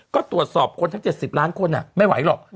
ก็ตรวจสอบคนทั้ง๗๐ล้านคนไม่ไหวหรอก